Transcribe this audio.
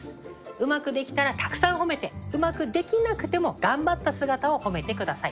うまくできたらたくさん褒めてうまくできなくても頑張った姿を褒めてください。